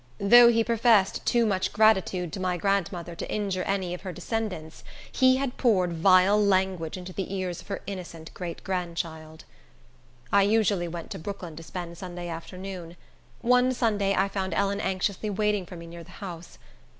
Though he professed too much gratitude to my grandmother to injure any of her descendants, he had poured vile language into the ears of her innocent great grandchild. I usually went to Brooklyn to spend Sunday afternoon. One Sunday, I found Ellen anxiously waiting for me near the house.